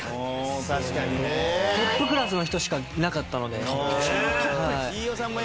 確かにね。トップクラスの人しかいなかったので。